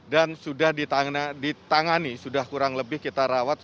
dan sudah ditangani sudah kurang lebih kita rapatkan